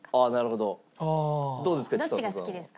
どうですか？